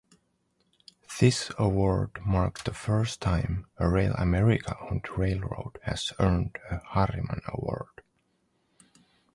This award marked the first time a RailAmerica-owned railroad has earned a Harriman award.